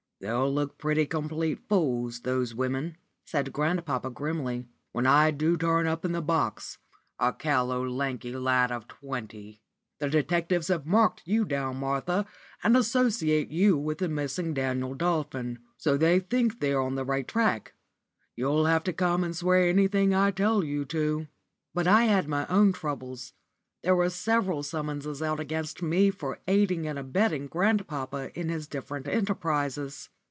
"They'll look pretty complete fools, those women," said grandpapa grimly, "when I do turn up in the box a callow, lanky lout of twenty. The detectives have marked you down, Martha, and associate you with the missing Daniel Dolphin. So they think they are on the right track. You'll have to come and swear anything I tell you to." But I had my own troubles. There were several summonses out against me for "aiding and abetting" grandpapa in his different enterprises.